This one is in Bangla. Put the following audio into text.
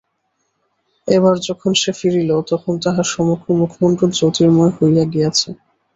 এবার যখন সে ফিরিল, তখন তাহার সমগ্র মুখমণ্ডল জ্যোতির্ময় হইয়া গিয়াছে।